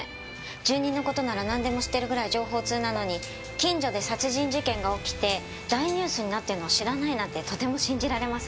住人の事ならなんでも知ってるぐらい情報通なのに近所で殺人事件が起きて大ニュースになっているのを知らないなんてとても信じられません。